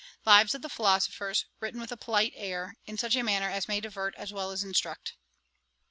'Lives of the Philosophers, written with a polite air, in such a manner as may divert as well as instruct.